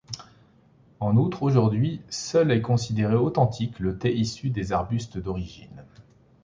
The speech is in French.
En outre aujourd'hui seul est considéré authentique le thé issu des arbustes d'origine.